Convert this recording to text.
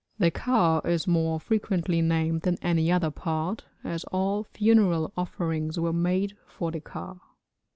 The ka is more frequently named than any other part, as all funeral offerings were made for the ka.